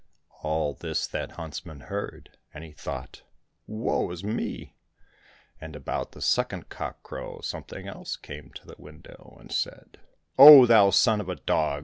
" All this that huntsman heard, and he thought, " Woe is me !" And about the second cockcrow something else came to the window and said, " Oh, thou son of a dog